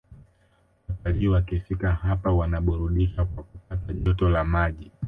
Watalii wakifika hapa wanaburudika kwa kupata joto la maji